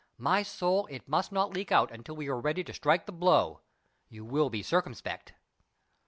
My soul! it must not leak out until we are ready to strike the blow. You will be circumspect."